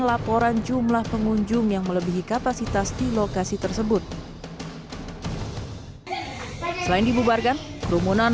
laporan jumlah pengunjung yang melebihi kapasitas di lokasi tersebut selain dibubarkan kerumunan